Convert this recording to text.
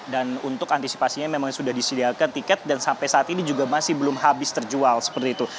dan untuk antisipasinya memang sudah disediakan tiket dan sampai saat ini juga masih belum habis terjual seperti itu